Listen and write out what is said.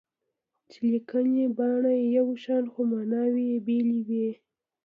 چې لیکني بڼه یې یو شان خو ماناوې یې بېلې وي.